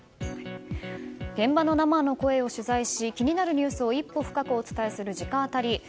現場の生の声を取材し気になるニュースを一歩深くお伝えする直アタリ。